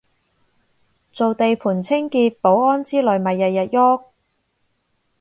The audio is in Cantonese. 做地盤清潔保安之類咪日日郁